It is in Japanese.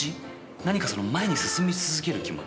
何か前に進み続ける気持ち。